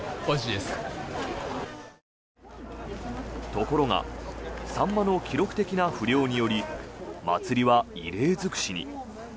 ところがサンマの記録的な不漁により祭りは異例尽くしに。